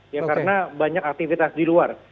ya karena banyak aktivitas di luar